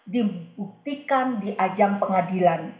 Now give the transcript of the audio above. dibuktikan di ajang pengadilan